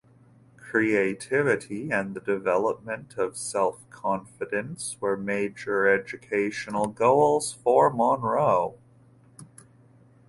Creativity and the development of self-confidence were major educational goals for Monroe.